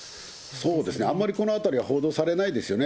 あまりこのあたりは、報道されないですよね。